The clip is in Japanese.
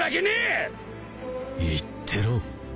言ってろ。